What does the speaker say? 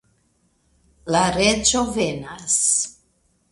La reĝo venas.